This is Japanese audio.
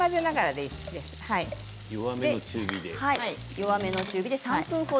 弱めの中火で。